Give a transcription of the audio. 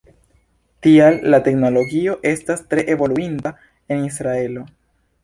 Tial la teknologio estas tre evoluinta en Israelo.